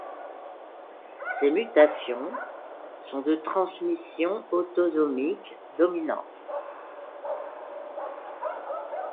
Ces mutations sont de transmission autosomique dominante.